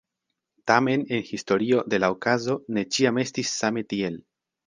Tamen en historio de la okazo ne ĉiam estis same tiel.